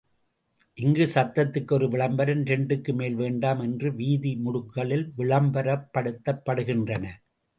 இங்கு சந்துக்கு ஒரு விளம்பரம், இரண்டுக்கு மேல் வேண்டாம் என்று வீதி முடுக்குகளில் விளம்பரப்படுத்தப்படுகின்றன.